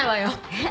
えっ？